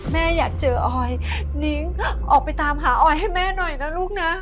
แม่อยากเจอออยนิ้งออกไปตามหาออยให้แม่หน่อยนะลูกนะ